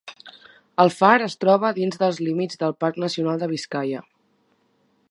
El far es troba dins dels límits del parc nacional de Biscaia.